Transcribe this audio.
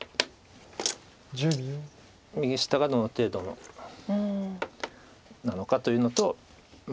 右下がどの程度のなのかというのとま